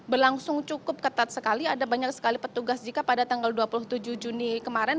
berlangsung cukup ketat sekali ada banyak sekali petugas jika pada tanggal dua puluh tujuh juni kemarin